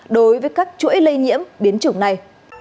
đối với các chuỗi lây nhiễm biến chủng này